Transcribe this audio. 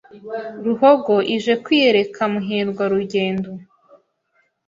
Ruhogo ije kwiyereka Muhirwarugendo